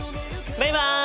バイバイ！